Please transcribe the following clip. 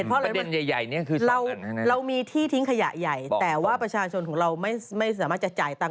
เพราะอะไรว่าเรามีที่ทิ้งขยะใหญ่แต่ว่าประชาชนของเราไม่สามารถจะจ่ายตังค์